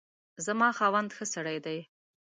زما خاوند ښه سړی دی